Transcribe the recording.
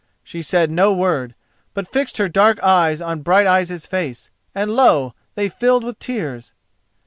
She said no word, but fixed her dark eyes on Brighteyes' face, and lo! they filled with tears.